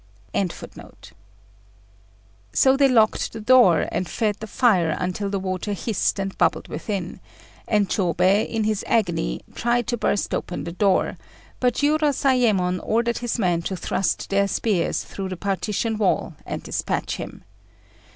] So they locked the door, and fed the fire until the water hissed and bubbled within; and Chôbei, in his agony, tried to burst open the door, but Jiurozayémon ordered his men to thrust their spears through the partition wall and dispatch him.